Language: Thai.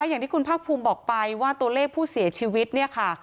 อย่างที่คุณภาคภูมิบอกไปว่าตัวเลขผู้เสียชีวิตเนี่ยค่ะ